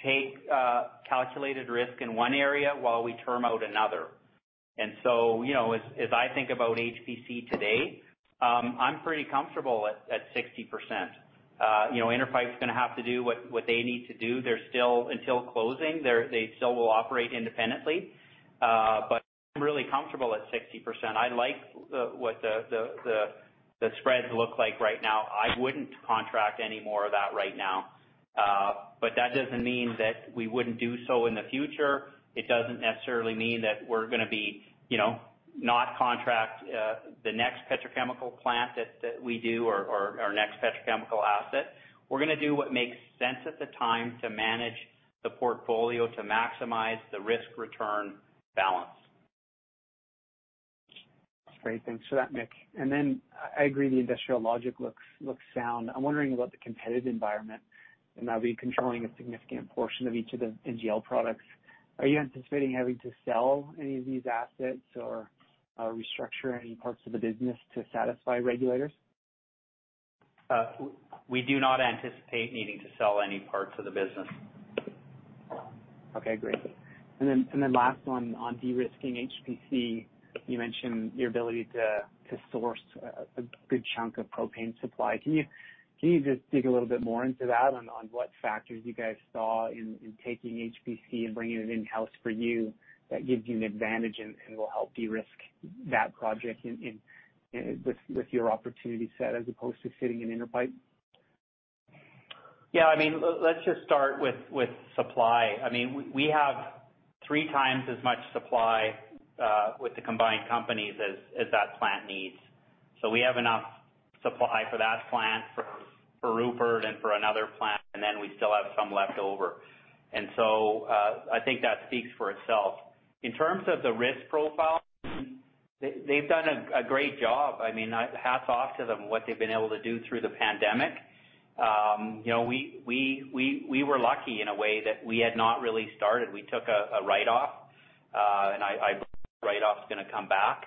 take a calculated risk in one area while we term out another. As I think about HPC to date, I'm pretty comfortable at 60%. Inter Pipe is going to have to do what they need to do. Until closing, they still will operate independently. I'm really comfortable at 60%. I like what the spreads look like right now. I wouldn't contract any more of that right now. That doesn't mean that we wouldn't do so in the future. It doesn't necessarily mean that we're going to not contract the next petrochemical plant that we do or our next petrochemical asset. We're going to do what makes sense at the time to manage the portfolio to maximize the risk-return balance. That's great. Thanks for that, Mick. I agree the industrial logic looks sound. I'm wondering about the competitive environment and now be controlling a significant portion of each of the NGL products. Are you anticipating having to sell any of these assets or restructure any parts of the business to satisfy regulators? We do not anticipate needing to sell any parts of the business. Okay, great. Last one on de-risking HPC, you mentioned your ability to source a good chunk of propane supply. Can you just dig a little bit more into that on what factors you guys saw in taking HPC and bringing it in-house for you that gives you an advantage and will help de-risk that project with your opportunity set as opposed to sitting in Inter Pipe? Let's just start with supply. We have three times as much supply with the combined companies as that plant needs. We have enough supply for that plant, for Rupert and for another plant, and then we still have some left over. I think that speaks for itself. In terms of the risk profile, they've done a great job. Hats off to them, what they've been able to do through the pandemic. We were lucky in a way that we had not really started. We took a write-off, and I believe the write-off is going to come back,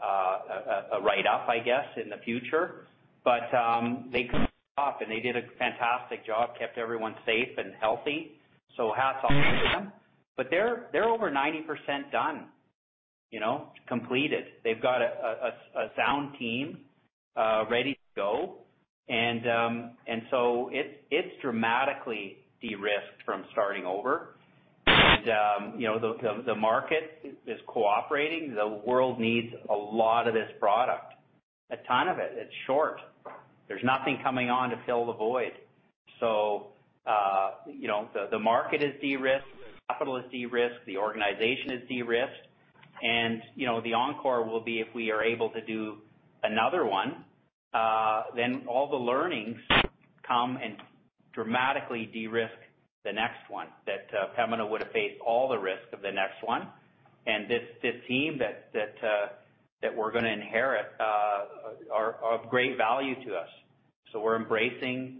a write-up, I guess, in the future. They closed it off, and they did a fantastic job, kept everyone safe and healthy. Hats off to them. They're over 90% done, completed. They've got a sound team ready to go. It's dramatically de-risked from starting over. The market is cooperating. The world needs a lot of this product, a ton of it. It's short. There's nothing coming on to fill the void. The market is de-risked, the capital is de-risked, the organization is de-risked. The encore will be if we are able to do another one, then all the learnings come and dramatically de-risk the next one, that Pembina would have faced all the risk of the next one. This team that we're going to inherit are of great value to us. We're embracing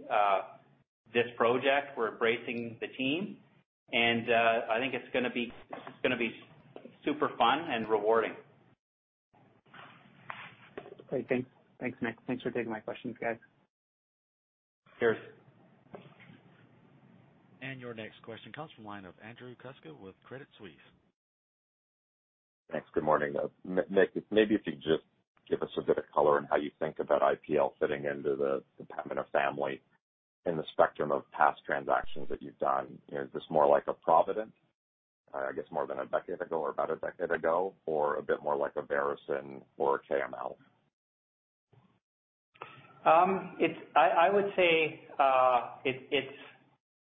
this project. We're embracing the team, and I think it's going to be super fun and rewarding. Great. Thanks, Mick. Thanks for taking my questions, guys. Cheers. Your next question comes from the line of Andrew Kuske with Credit Suisse. Thanks. Good morning. Mick, maybe if you could just give us a bit of color on how you think about IPL fitting into the Pembina family in the spectrum of past transactions that you've done. Is this more like a Provident, I guess more than a decade ago or about a decade ago, or a bit more like a Veresen or KML? I would say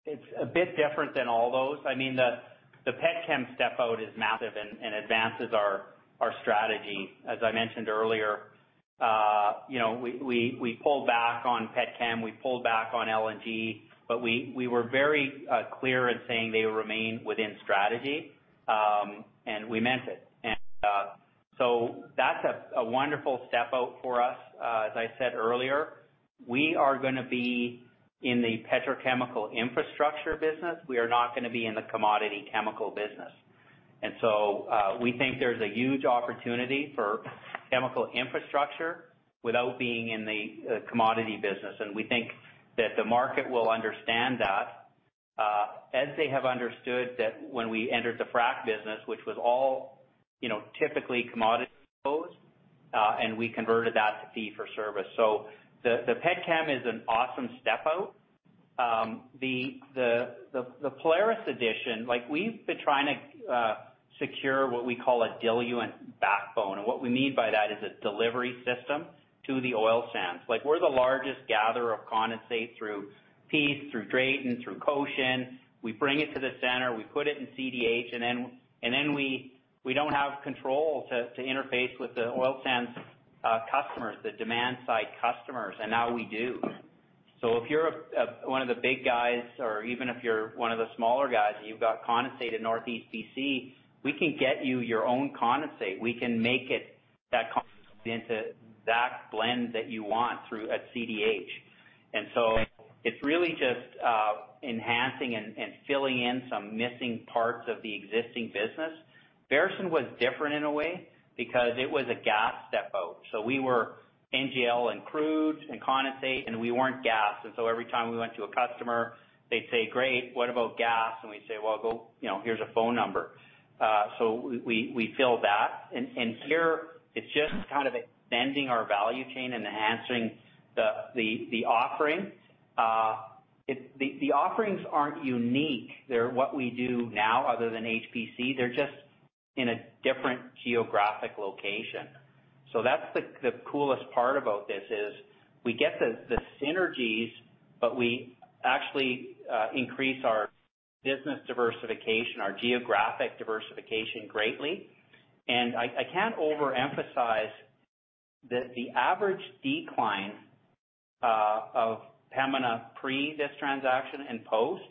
it's a bit different than all those. The petchem step out is massive and advances our strategy. As I mentioned earlier, we pulled back on petchem, we pulled back on LNG, but we were very clear in saying they remain within strategy, and we meant it. That's a wonderful step out for us. As I said earlier, we are going to be in the petrochemical infrastructure business. We are not going to be in the commodity chemical business. We think there's a huge opportunity for chemical infrastructure without being in the commodity business. We think that the market will understand that, as they have understood that when we entered the frac business, which was all typically commodity exposed, and we converted that to fee for service. The petchem is an awesome step out. The Polaris addition, we've been trying to secure what we call a diluent backbone. What we mean by that is a delivery system to the oil sands. We're the largest gatherer of condensate through Peace, through Drayton, through Goshen. We bring it to the center, we put it in CDH, and then we don't have control to interface with the oil sands customers, the demand-side customers, and now we do. If you're one of the big guys, or even if you're one of the smaller guys and you've got condensate in Northeast BC, we can get you your own condensate. We can make that condensate into that blend that you want through CDH. It's really just enhancing and filling in some missing parts of the existing business. Veresen was different in a way because it was a gas step out. We were NGL and crude and condensate, and we weren't gas. Every time we went to a customer, they'd say, "Great, what about gas?" We'd say, "Well, here's a phone number." We fill that. Here it's just kind of extending our value chain and enhancing the offerings. The offerings aren't unique. They're what we do now other than HPC. They're just in a different geographic location. That's the coolest part about this is we get the synergies, but we actually increase our business diversification, our geographic diversification greatly. I can't overemphasize that the average decline of Pembina pre this transaction and post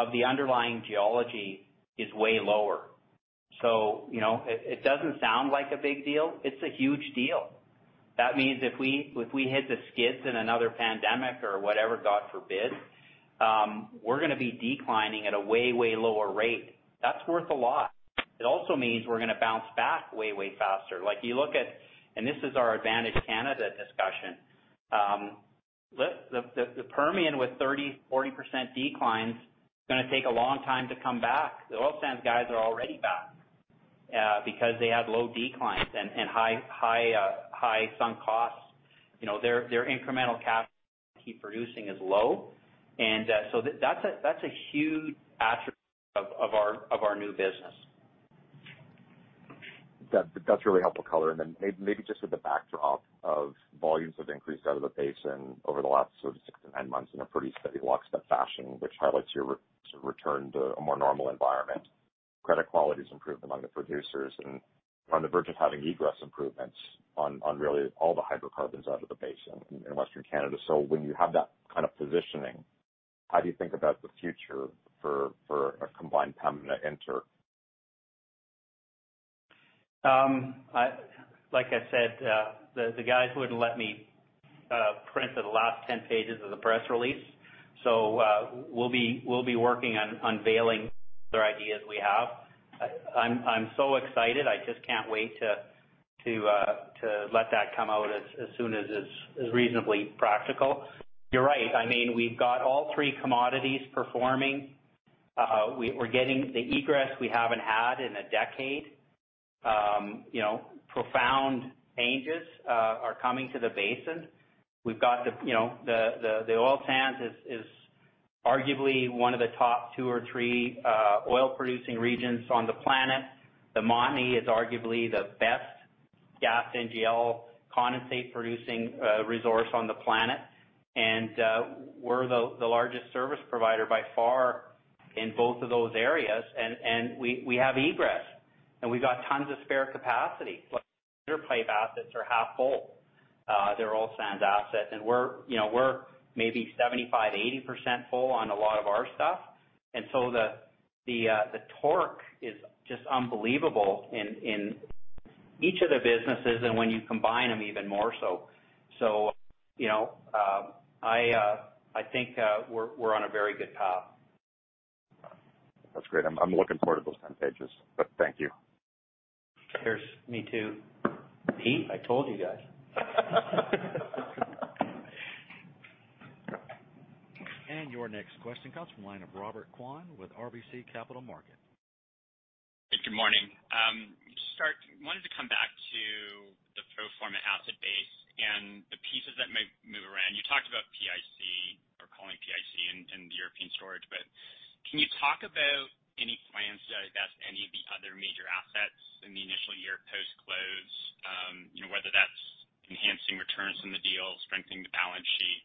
of the underlying geology is way lower. It doesn't sound like a big deal. It's a huge deal. That means if we hit the skids in another pandemic or whatever, God forbid, we're going to be declining at a way lower rate. That's worth a lot. It also means we're going to bounce back way faster. If you look at, this is our Advantage Canada discussion. The Permian with 30%, 40% declines is going to take a long time to come back. The oil sands guys are already back because they have low declines and high sunk costs. Their incremental cash to keep producing is low. That's a huge attribute of our new business. That's really helpful color. Maybe just as a backdrop of volumes have increased out of the basin over the last sort of six to nine months in a pretty steady lockstep fashion, which highlights your return to a more normal environment. Credit quality has improved among the producers and on the verge of having egress improvements on really all the hydrocarbons out of the basin in Western Canada. When you have that kind of positioning, how do you think about the future for a combined Pembina-Inter? Like I said, the guys wouldn't let me print the last 10 pages of the press release. We'll be working on unveiling the other ideas we have. I'm so excited. I just can't wait to let that come out as soon as is reasonably practical. You're right. I mean, we've got all three commodities performing. We're getting the egress we haven't had in a decade. Profound changes are coming to the basin. The oil sands is arguably one of the top two or three oil-producing regions on the planet. The Montney is arguably the best gas, NGL, condensate producing resource on the planet. We're the largest service provider by far in both of those areas. We have egress, and we've got tons of spare capacity. Like, midstream pipe assets are half full. They're oil sands assets. We're maybe 75%-80% full on a lot of our stuff. The torque is just unbelievable in each of the businesses and when you combine them even more so. I think we're on a very good path. That's great. I'm looking forward to those 10 pages. Thank you. Cheers, me too. See, I told you guys. Your next question comes from the line of Robert Kwan with RBC Capital Markets. Good morning. To start, wanted to come back to the pro forma asset base and the pieces that might move around. You talked about PIC, or calling PIC in the European storage, but can you talk about any plans to divest any of the other major assets in the initial year post-close? Whether that's enhancing returns in the deal, strengthening the balance sheet.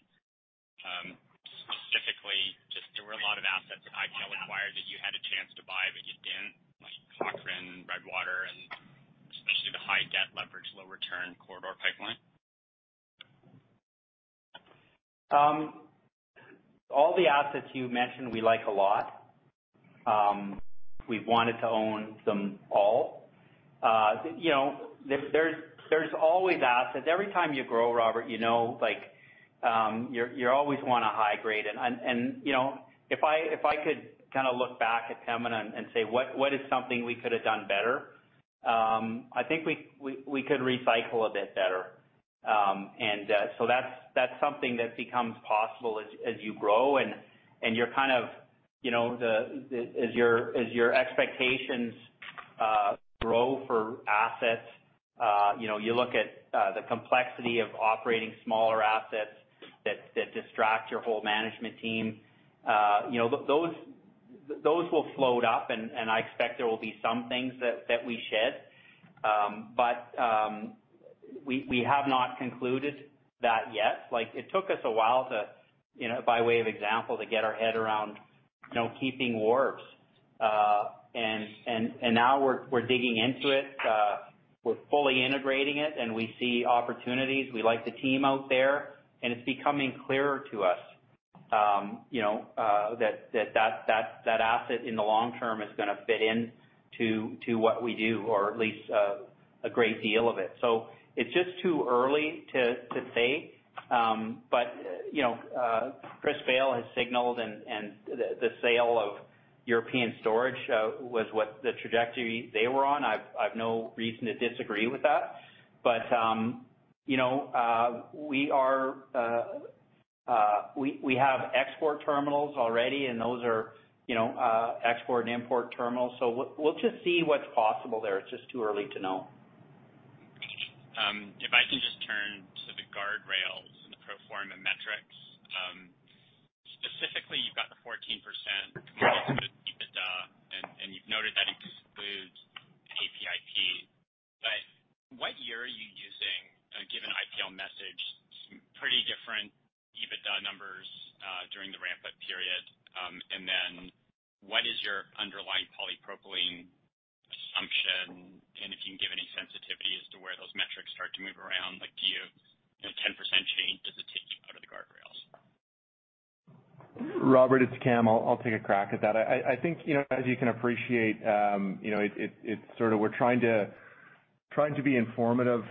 Specifically, just there were a lot of assets that Pipeline acquired that you had a chance to buy, but you didn't, like Cochrane, Redwater, and especially the high debt leverage, low return Corridor Pipeline. All the assets you mentioned we like a lot. We've wanted to own them all. There's always assets. Every time you grow, Robert, you always want to hi-grade. If I could look back at them and say, "What is something we could have done better?" I think we could recycle a bit better. That's something that becomes possible as you grow, and as your expectations grow for assets, you look at the complexity of operating smaller assets that distract your whole management team. Those will float up, and I expect there will be some things that we shed. We have not concluded that yet. It took us a while to, by way of example, to get our head around keeping Vancouver Wharves. Now we're digging into it. We're fully integrating it, and we see opportunities. We like the team out there. It's becoming clearer to us that asset in the long term is going to fit in to what we do, or at least a great deal of it. It's just too early to say. Christian Bayle has signaled, and the sale of European Storage was what the trajectory they were on. I've no reason to disagree with that. We have export terminals already, and those are export and import terminals. We'll just see what's possible there. It's just too early to know. If I could just turn to the guardrails and the pro forma metrics. Specifically, you've got the 14% combined with EBITDA, and you've noted that it excludes APIP, but what year are you using? Given IPL message, some pretty different EBITDA numbers during the ramp-up period. What is your underlying polypropylene assumption? If you can give any sensitivity as to where those metrics start to move around, like a 10% change, does it take you out of the guardrails? Robert, it's Cam. I'll take a crack at that. I think, as you can appreciate, we're trying to be informative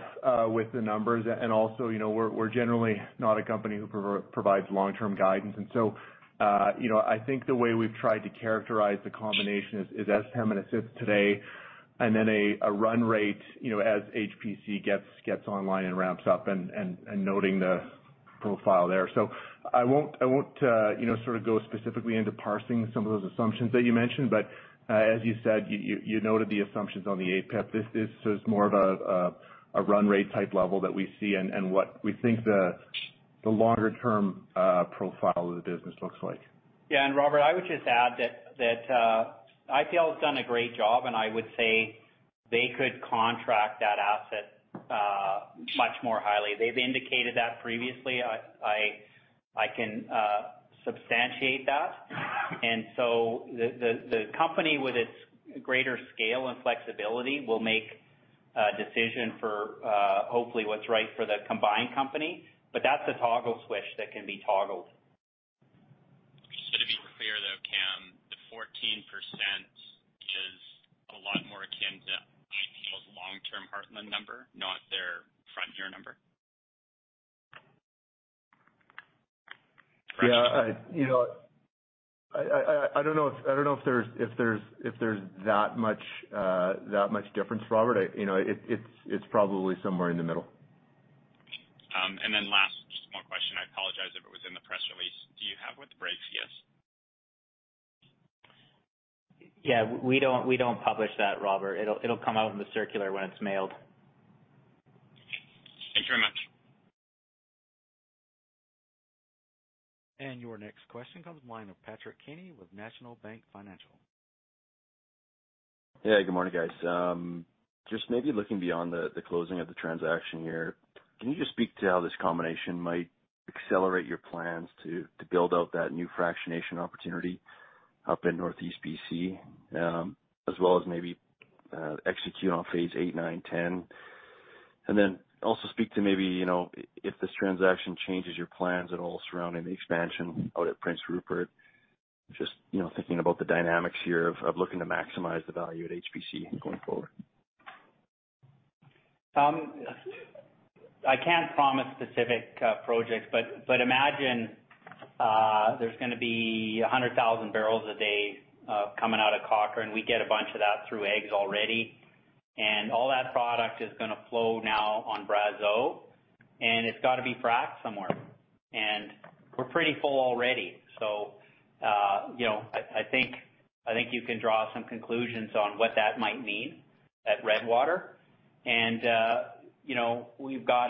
with the numbers. Also, we're generally not a company who provides long-term guidance. So, I think the way we've tried to characterize the combination is as Pembina as it sits today, and then a run rate as HPC gets online and ramps up, and noting the profile there. I won't go specifically into parsing some of those assumptions that you mentioned, but as you said, you noted the assumptions on the APIP. This is more of a run rate type level that we see and what we think the longer-term profile of the business looks like. Yeah. Robert, I would just add that IPL has done a great job, I would say they could contract that asset much more highly. They've indicated that previously. I can substantiate that. The company with its greater scale and flexibility will make a decision for hopefully what's right for the combined company. That's a toggle switch that can be toggled. Just to be clear, though, Cam, the 14% is a lot more akin to IPL's long-term Heartland number, not their Frontier number? Yeah. I don't know if there's that much difference, Robert. It's probably somewhere in the middle. Then last, just one question. I apologize if it was in the press release. Do you have? [audio distortion] Yeah, we don't publish that, Robert. It'll come out in the circular when it's mailed. Thanks very much. Your next question comes the line of Patrick Kenny with National Bank Financial. Good morning, guys. Just maybe looking beyond the closing of the transaction here, can you just speak to how this combination might accelerate your plans to build out that new fractionation opportunity up in Northeast BC, as well as maybe execute on phase 8, 9, 10? Also speak to maybe if this transaction changes your plans at all surrounding the expansion out at Prince Rupert, just thinking about the dynamics here of looking to maximize the value at HPC going forward? I can't promise specific projects, but imagine there's going to be 100,000 barrels a day coming out of Cochrane. We get a bunch of that through egress already. All that product is going to flow now on Brazeau, and it's got to be fracked somewhere. We're pretty full already. I think you can draw some conclusions on what that might mean at Redwater. We've got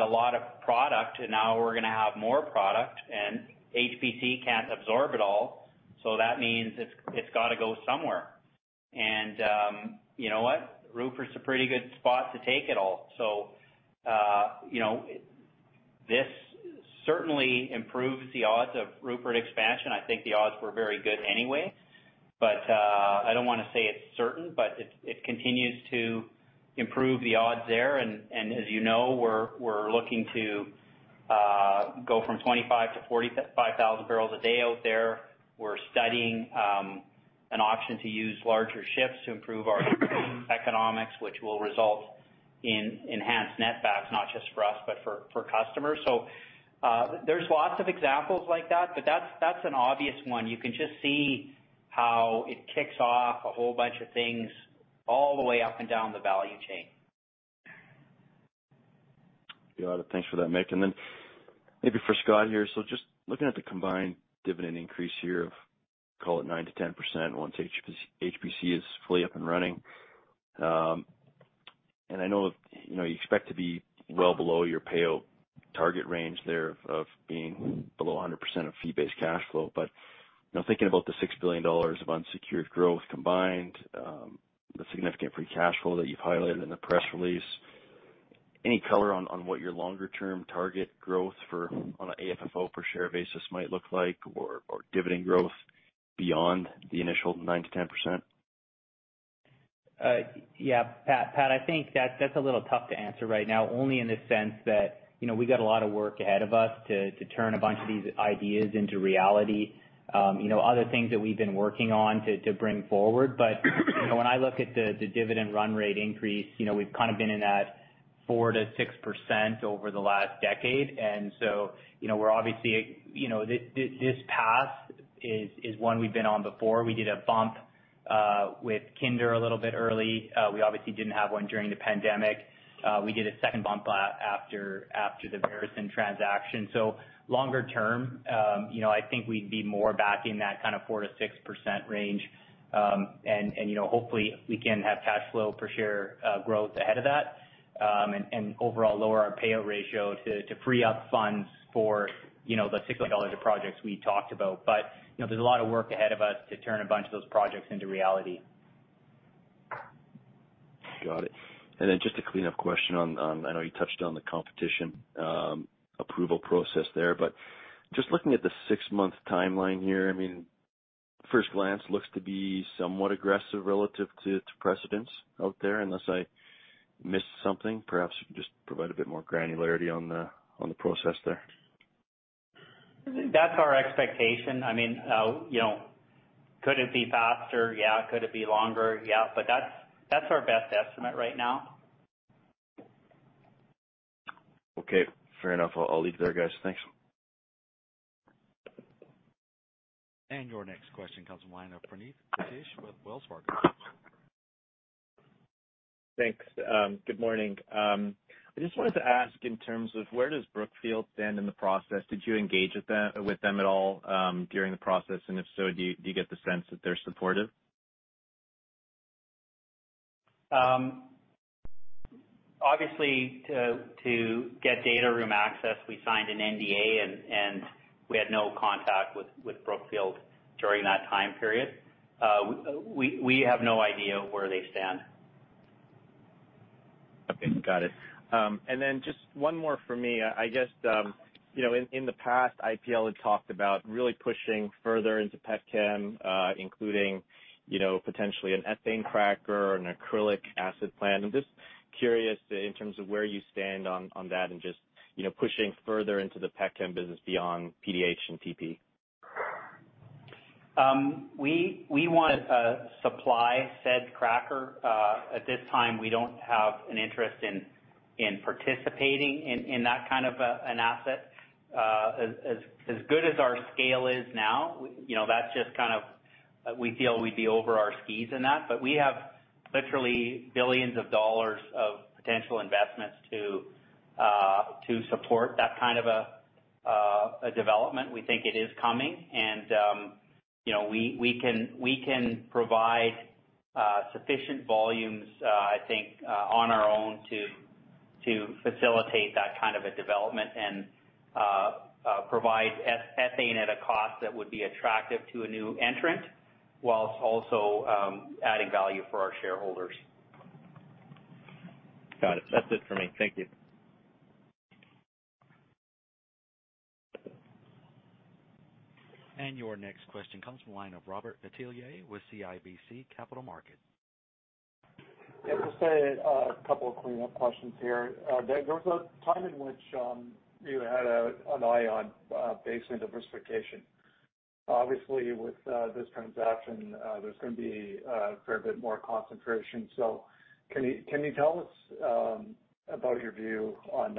a lot of product, and now we're going to have more product, and HPC can't absorb it all. That means it's got to go somewhere. You know what? Rupert's a pretty good spot to take it all. This certainly improves the odds of Rupert expansion. I think the odds were very good anyway. I don't want to say it's certain, but it continues to improve the odds there. As you know, we're looking to go from 25,000 barrels-45,000 barrels a day out there. We're studying an option to use larger ships to improve our economics, which will result in enhanced netbacks, not just for us, but for customers. There's lots of examples like that, but that's an obvious one. You can just see how it kicks off a whole bunch of things all the way up and down the value chain. Got it. Thanks for that, Mick and then maybe for Scott here. Just looking at the combined dividend increase here of, call it 9% to 10% once HPC is fully up and running. I know you expect to be well below your payout target range there of being below 100% of fee-based cash flow. Now thinking about the 6 billion dollars of unsecured growth combined, the significant free cash flow that you've highlighted in the press release, any color on what your longer-term target growth on an AFFO per share basis might look like or dividend growth beyond the initial 9%-10%? Yeah, Pat, I think that's a little tough to answer right now, only in the sense that we got a lot of work ahead of us to turn a bunch of these ideas into reality, other things that we've been working on to bring forward. When I look at the dividend run rate increase, we've kind of been in that 4%-6% over the last decade. This path is one we've been on before. We did a bump with Kinder a little bit early. We obviously didn't have one during the pandemic. We did a second bump after the Veresen transaction. Longer term, I think we'd be more back in that 4%-6% range. Hopefully we can have cash flow per share growth ahead of that. Overall lower our payout ratio to free up funds for the 6 billion dollars of projects we talked about. There's a lot of work ahead of us to turn a bunch of those projects into reality. Got it. Just a cleanup question on, I know you touched on the competition approval process there, but just looking at the six-month timeline here, first glance looks to be somewhat aggressive relative to its precedents out there. Unless I missed something. Perhaps just provide a bit more granularity on the process there. That's our expectation. Could it be faster? Yeah. Could it be longer? Yeah. That's our best estimate right now. Okay, fair enough. I will leave it there, guys. Thanks. Your next question comes from the line of Praneeth Satish with Wells Fargo. Thanks. Good morning. I just wanted to ask in terms of where does Brookfield stand in the process? Did you engage with them at all during the process? If so, do you get the sense that they're supportive? To get data room access, we signed an NDA, and we had no contact with Brookfield during that time period. We have no idea where they stand. Okay, got it. Just one more for me. I guess, in the past, IPL had talked about really pushing further into petchem, including potentially an ethane cracker, an acrylic acid plant. I'm just curious in terms of where you stand on that and just pushing further into the petchem business beyond PDH and PP. We want to supply said cracker. At this time, we don't have an interest in participating in that kind of an asset. As good as our scale is now, that's just kind of, we feel we'd be over our skis in that. We have literally billions of dollars of potential investments to support that kind of a development. We think it is coming and we can provide sufficient volumes, I think, on our own to facilitate that kind of a development and provide ethane at a cost that would be attractive to a new entrant whilst also adding value for our shareholders. Got it. That's it for me. Thank you. Your next question comes from the line of Robert Catellier with CIBC Capital Markets. Just a couple of cleanup questions here. There was a time in which you had an eye on basin diversification. Obviously, with this transaction, there's going to be a fair bit more concentration. Can you tell us about your view on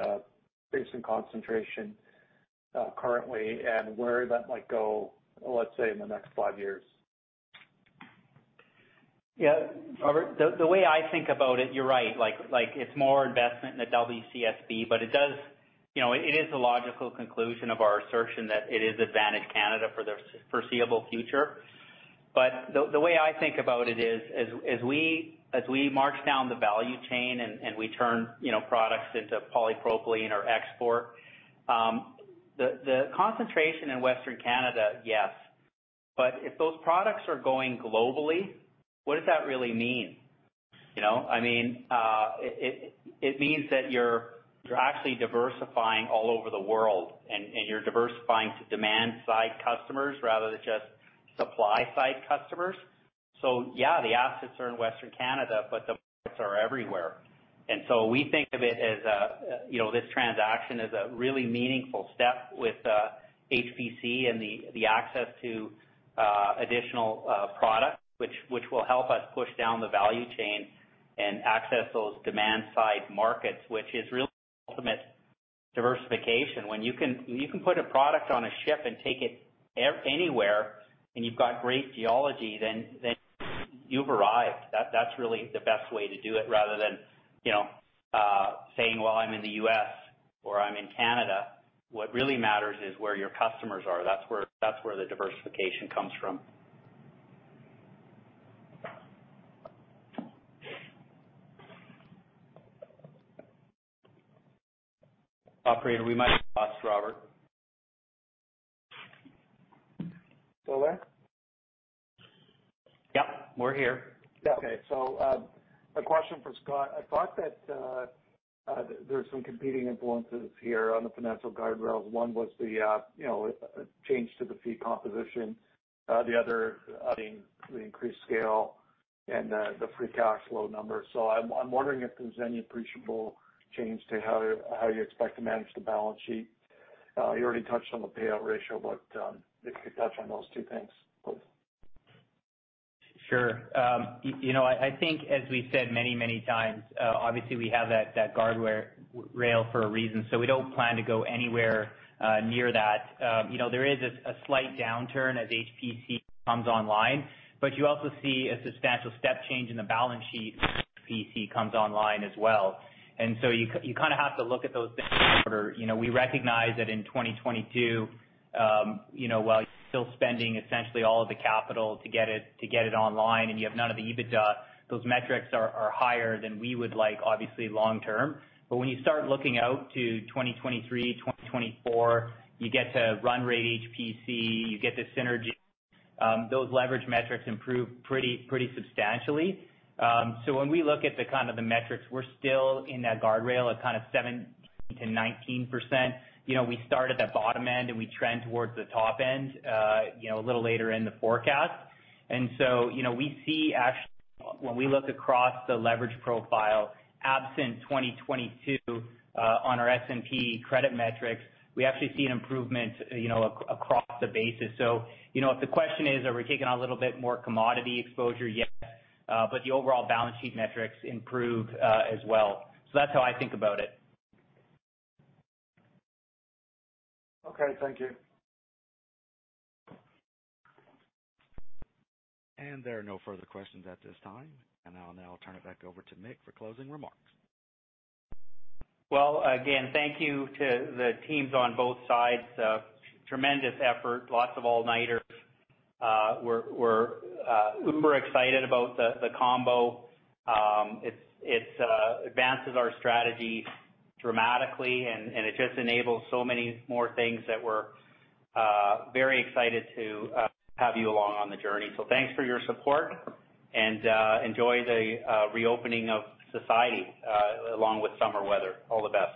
basin concentration currently and where that might go, let's say, in the next five years? Yeah. Robert, the way I think about it, you're right. It's more investment in WCSB. It is a logical conclusion of our assertion that it is Advantage Canada for the foreseeable future. The way I think about it is, as we march down the value chain and we turn products into polypropylene or export, the concentration in Western Canada, yes. If those products are going globally, what does that really mean? I mean, it means that you're actually diversifying all over the world, and you're diversifying to demand-side customers rather than just supply-side customers. Yeah, the assets are in Western Canada, but the markets are everywhere. We think of this transaction as a really meaningful step with HPC and the access to additional product, which will help us push down the value chain and access those demand-side markets, which is really the ultimate diversification. When you can put a product on a ship and take it anywhere, and you've got great geology, then you've arrived. That's really the best way to do it rather than saying, "Well, I'm in the U.S. or I'm in Canada." What really matters is where your customers are. That's where the diversification comes from. Operator, we might have lost Robert. Still there? Yeah, we're here. Okay. A question for Scott. I thought that there's some competing influences here on the financial guide rail. One was the change to the fee composition, the other being the increased scale and the free cash flow number. I'm wondering if there's any appreciable change to how you expect to manage the balance sheet. You already touched on the payout ratio, but if you could touch on those two things, please. Sure. I think as we've said many times, obviously we have that guardrail for a reason, so we don't plan to go anywhere near that. There is a slight downturn as HPC comes online, but you also see a substantial step change in the balance sheet as HPC comes online as well. You have to look at those things in order. We recognize that in 2022, while you're still spending essentially all the capital to get it online, and you have none of the EBITDA, those metrics are higher than we would like, obviously, long term. When you start looking out to 2023, 2024, you get to run rate HPC, you get the synergies. Those leverage metrics improve pretty substantially. When we look at the metrics, we're still in that guardrail of 17%-19%. We start at the bottom end. We trend towards the top end a little later in the forecast. We see actually, when we look across the leverage profile, absent 2022, on our S&P credit metrics, we actually see an improvement across the basis. If the question is, are we taking a little bit more commodity exposure? Yes. The overall balance sheet metrics improve as well. That's how I think about it. Okay. Thank you. There are no further questions at this time. I'll now turn it back over to Mick for closing remarks. Again, thank you to the teams on both sides. Tremendous effort. Lots of all-nighters. We're uber excited about the combo. It advances our strategy dramatically, and it just enables so many more things that we're very excited to have you along on the journey. Thanks for your support, and enjoy the reopening of society along with summer weather. All the best.